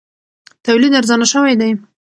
تولید ارزانه شوی دی.